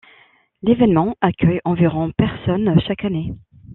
L'évènement accueille environ personnes chaque année.